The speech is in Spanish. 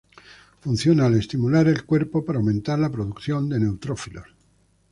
Funciona al estimular el cuerpo para aumentar la producción de neutrófilos.